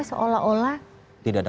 seolah olah tidak ada